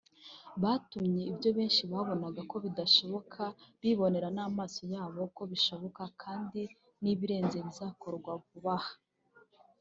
byatumye ibyo benshi babonaga ko bidashoboka bibonera n’amaso yabo ko bishoboka kandi nibirenze bizakorwa vubaha